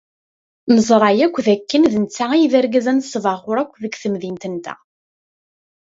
Neẓra akk dakken d netta ay d argaz anesbaɣur akk deg temdint-nteɣ.